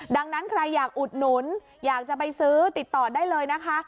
ดังนั้นใครอยากอุดหนุนอยากจะไปซื้อติดต่อได้เลยนะคะ